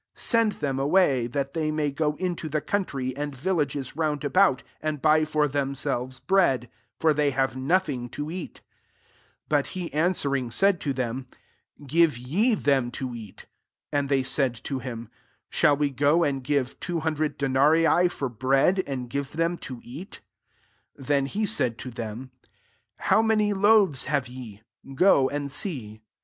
36 Send them away, that they may go into the country and villages round about, and buy for them selves bread : for they have nothing to eat.'' 37 But he an swering, said to them, " Give ye them to eat.'' And they said to him, " Shall we go and give two hundred denarii for bread, and give them to eat ?" 38 Then he said to them, " How many loaves have ye ? go [and'] see."